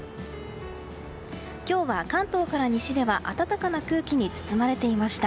今日は関東から西では暖かな空気に包まれていました。